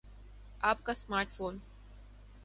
آپ کا smart phone